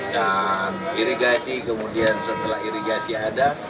dan irigasi kemudian setelah irigasi ada